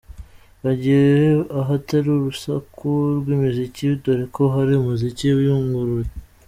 Bagiye ahatari urusaku rw’imiziki dore ko hari umuziki uyunguruye.